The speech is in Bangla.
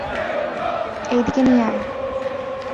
এই দিকে নিয়ে আয়।